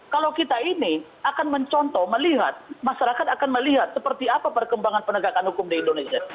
kalau kita ini akan mencontoh melihat masyarakat akan melihat seperti apa perkembangan penegakan hukum di indonesia